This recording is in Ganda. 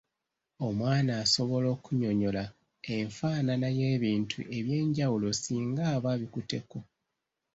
Omwana asobola okunnyonnyola enfaanana y'ebintu eby’enjawulo singa aba abikutteko.